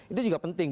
itu juga penting